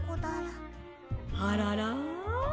「あらら？」。